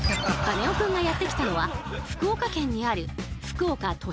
カネオくんがやって来たのは福岡県にある福岡都市高速。